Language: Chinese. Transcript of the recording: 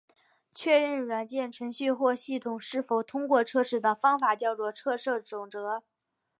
确定软件程序或系统是否通过测试的方法叫做测试准则。